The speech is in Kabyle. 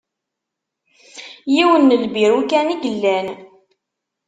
Yiwen n lbiru kan i yellan.